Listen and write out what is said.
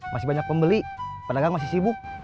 masih banyak pembeli pedagang masih sibuk